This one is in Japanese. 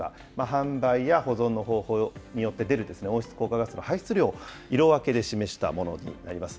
販売や保存の方法によって出る温室効果ガスの排出量を色分けで示したものになります。